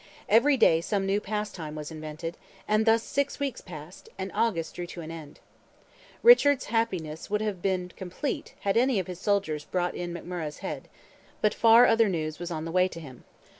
Every day some new pastime was invented, and thus six weeks passed, and August drew to an end. Richard's happiness would have been complete had any of his soldiers brought in McMurrogh's head: but far other news was on the way to him.